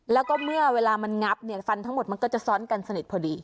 แล้วก็เมื่อเวลามันงับเนี่ยฟันทั้งหมดมันก็จะซ้อนกันสนิทพอดี